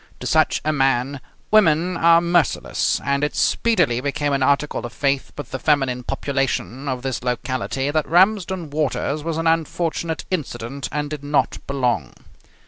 To such a man women are merciless, and it speedily became an article of faith with the feminine population of this locality that Ramsden Waters was an unfortunate incident and did not belong.